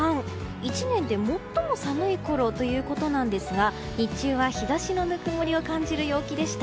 １年で最も寒いころということなんですが日中は日差しのぬくもりを感じる陽気でした。